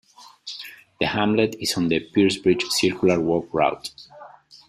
The hamlet is on the Piercebridge Circular Walk route.